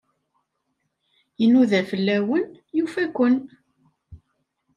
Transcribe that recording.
Inuda fell-awen, yufa-ken.